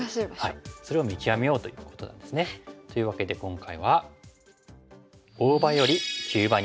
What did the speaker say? それを見極めようということなんですね。というわけで今回は。